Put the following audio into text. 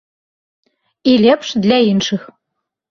І лепш для іншых.